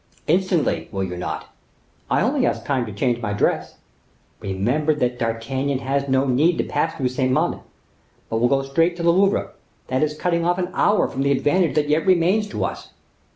"Instantly, will you not?" "I only ask time to change my dress." "Remember that D'Artagnan has no need to pass through Saint Mande; but will go straight to the Louvre; that is cutting off an hour from the advantage that yet remains to us."